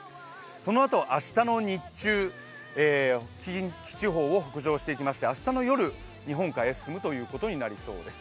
そのあと、明日の日中、近畿地方を北上してきまして明日の夜、日本海へ進むということになりそうです。